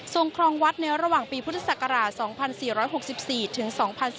ทรงคลองวัตต์ในระหว่างปีพุทธศักราช๒๔๖๔ถึง๒๔๘๐